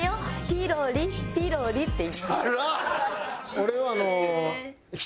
俺はあの。